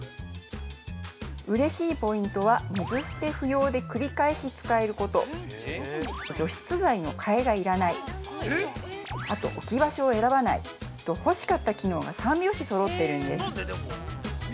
うれしいポイントは水捨て不要で繰り返し使えること除湿剤の替えが要らないあと、置き場所を選ばないと欲しかった機能が三拍子そろってるんです。